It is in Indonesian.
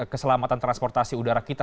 keselamatan transportasi udara kita